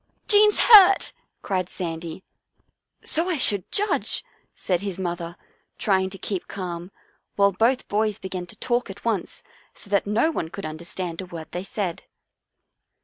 " Jean's hurt," cried Sandy. " So I should judge," said his mother, trying to keep calm, while both boys began to talk at once, so that no one could understand a word they said.